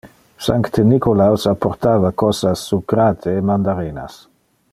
Sancte Nicolaus apportava cosas sucrate e mandarinas.